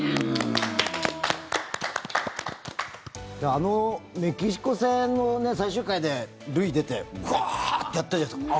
あのメキシコ戦の最終回で塁出てうおー！ってやったじゃないですか。